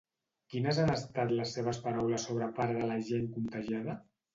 Quines han estat les seves paraules sobre part de la gent contagiada?